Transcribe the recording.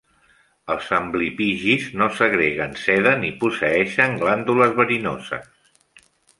Els amblipigis no segreguen seda ni posseeixen glàndules verinoses.